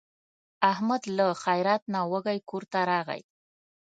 احمد له خیرات نه وږی کورته راغی.